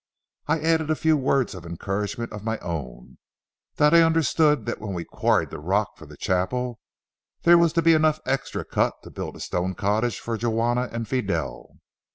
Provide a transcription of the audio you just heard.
I added a few words of encouragement of my own—that I understood that when we quarried the rock for the chapel, there was to be enough extra cut to build a stone cottage for Juana and Fidel.